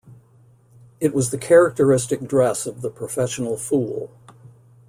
It was the characteristic dress of the professional fool.